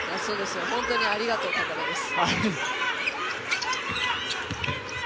本当にありがとうという感じです。